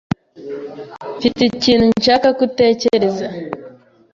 Mfite ikintu nshaka ko utekereza.